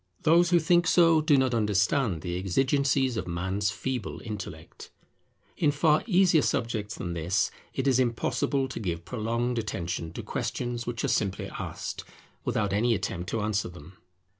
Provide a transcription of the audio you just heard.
Those who think so do not understand the exigencies of man's feeble intellect. In far easier subjects than this, it is impossible to give prolonged attention to questions which are simply asked, without any attempt to answer them.